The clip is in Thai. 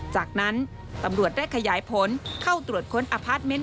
จากนั้นตำรวจได้ขยายผลเข้าตรวจค้นอพาร์ทเมนต์